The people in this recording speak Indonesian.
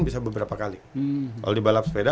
bisa beberapa kali kalau di balap sepeda